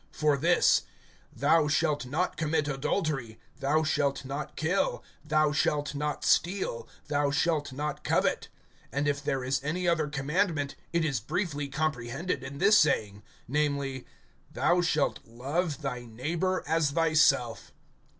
(9)For this: Thou shalt not commit adultery, Thou shalt not kill, Thou shalt not steal, Thou shalt not covet; and if there is any other commandment, it is briefly comprehended in this saying, namely: Thou shalt love thy neighbor as thyself.